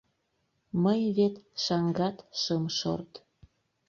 Мый вет шаҥгат шым шорт.